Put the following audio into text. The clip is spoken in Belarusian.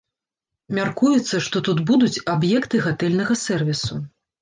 Мяркуецца, што тут будуць аб'екты гатэльнага сэрвісу.